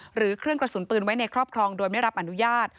หรือเครื่องกระสุนปืนไว้ในครอบครองโดยไม่รับอนุญาต